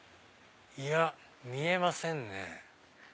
いや見えませんね。